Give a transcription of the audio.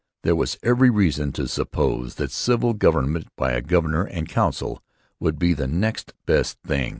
There was every reason to suppose that civil government by a governor and council would be the next best thing.